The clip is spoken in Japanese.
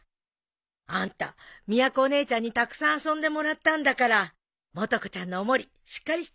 あんたみやこお姉ちゃんにたくさん遊んでもらったんだからもと子ちゃんのお守りしっかりしてあげなさいよ。